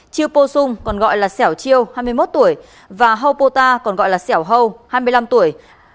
chiêu po sung còn gọi là sẻo chiêu hai mươi một tuổi và hau po ta còn gọi là sẻo hau hai mươi năm tuổi